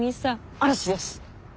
嵐です。